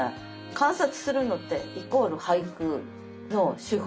観察するのってイコール俳句の手法なので。